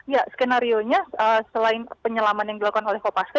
ya skenario nya selain penyelaman yang dilakukan oleh kopaska